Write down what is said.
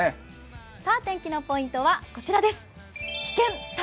さあ、天気のポイントはこちらです